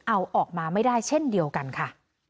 เอาออกมาไม่ได้เช่นเดียวกันค่ะ